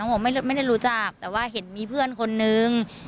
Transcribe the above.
บอกไม่ได้รู้จักแต่ว่าเห็นมีเพื่อนคนนึง